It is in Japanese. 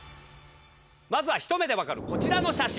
まずはひと目でわかるこちらの写真。